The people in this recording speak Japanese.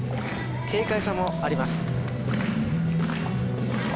軽快さもあります